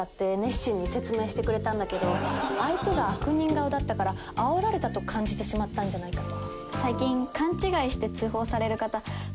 相手が悪人顔だったからあおられたと感じてしまったんじゃないかと。